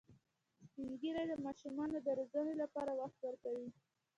سپین ږیری د ماشومانو د روزنې لپاره وخت ورکوي